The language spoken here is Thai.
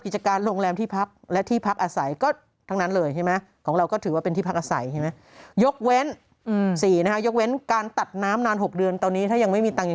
การโรงแรมที่พักและที่พักอาศัยก็ทั้งนั้นเลยใช่ไหมของเราก็ถือว่าเป็นที่พักอาศัยใช่ไหมยกเว้นการตัดน้ำนาน๖เดือนตอนนี้ถ้ายังไม่มีตังค์